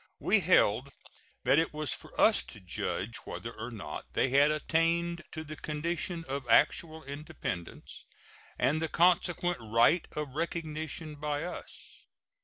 We held that it was for us to judge whether or not they had attained to the condition of actual independence, and the consequent right of recognition by us.